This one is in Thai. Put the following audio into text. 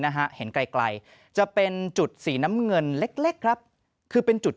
นะฮะเห็นไกลจะเป็นจุดสีน้ำเงินเล็กครับคือเป็นจุด